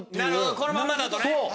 このままだとね。